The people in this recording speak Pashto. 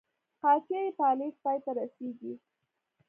قافیه یې په الف پای ته رسيږي.